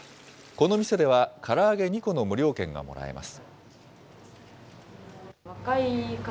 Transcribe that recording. この店では、から揚げ２個の無料券がもらえます。